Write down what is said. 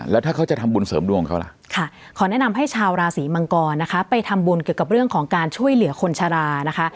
แล้วถ้าเขาจะทำบุญเสริมดวงเขาล่ะค่ะขอแนะนำให้ชาวราศีมังกรนะคะไปทำบุญเกี่ยวกับเรื่องของการช่วยเหลือคนชะลานะคะ